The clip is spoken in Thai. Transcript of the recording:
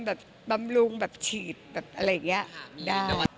แบบบำรุงแบบฉีดแบบอะไรอย่างนี้